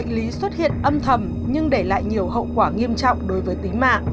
bệnh lý xuất hiện âm thầm nhưng để lại nhiều hậu quả nghiêm trọng đối với tính mạng